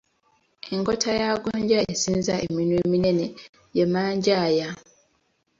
Enkota ya Gonja esinza eminwe eminene ye Manjaaya.